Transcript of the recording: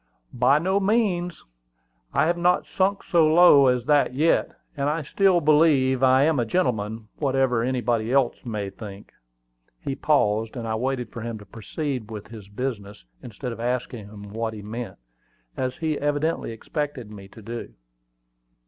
"By no means: I have not sunk so low as that yet; and I still believe I am a gentleman, whatever anybody else may think." He paused, and I waited for him to proceed with his business, instead of asking him what he meant, as he evidently expected me to do.